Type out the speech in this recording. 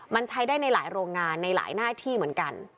มันใช้ได้ในหลายโรงงานในหลายหน้าที่เหมือนกัน